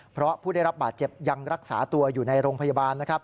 เพราะผู้ได้รับบาดเจ็บยังรักษาตัวอยู่ในโรงพยาบาลนะครับ